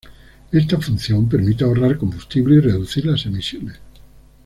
Esta función permite ahorrar combustible y reducir las emisiones.